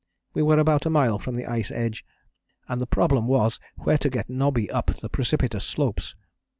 We were about a mile from the ice edge; and the problem was where to get Nobby up the precipitous slopes.